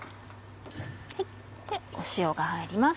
塩が入ります。